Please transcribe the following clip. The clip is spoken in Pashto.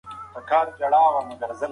ګډ مسئولیت ټولنه خوندي کوي.